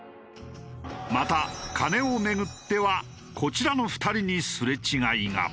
また金をめぐってはこちらの２人にすれ違いが。